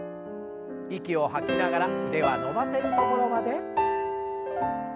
息を吐きながら腕は伸ばせるところまで。